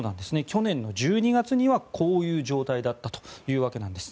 去年の１２月にはこういう状態だったというわけです。